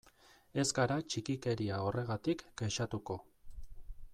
Ez gara txikikeria horregatik kexatuko.